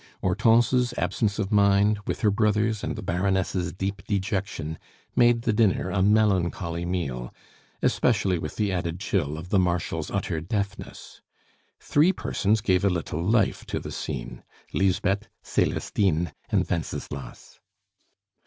Hortense's absence of mind, with her brother's and the Baroness' deep dejection, made the dinner a melancholy meal, especially with the added chill of the Marshal's utter deafness. Three persons gave a little life to the scene: Lisbeth, Celestine, and Wenceslas.